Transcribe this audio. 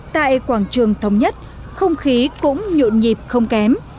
tại quảng trường thống nhất không khí cũng nhộn nhịp không kém